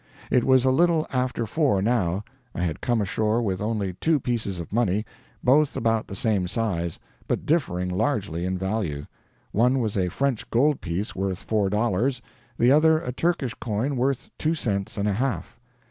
It was a little after four now. I had come ashore with only two pieces of money, both about the same size, but differing largely in value one was a French gold piece worth four dollars, the other a Turkish coin worth two cents and a half.